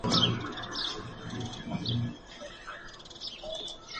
Fue presentada por D. Francisco Bergamín García, presidente de la Real Academia.